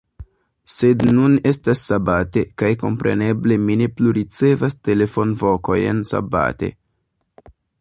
Sed nun estas Sabate, kaj kompreneble mi ne plu ricevas telefonvokojn Sabate.